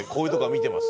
見てます